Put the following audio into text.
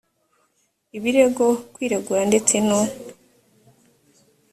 ibirego kwiregura ndetse no